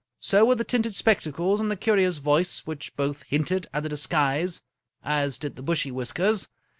So were the tinted spec tacles and the curious voice, which both hinted at a dis guise, as did the bushy whiskers.